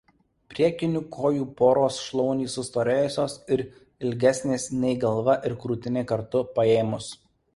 Priekinių kojų poros šlaunys sustorėjusios ir ilgesnės nei galva ir krūtinė kartu paėmus.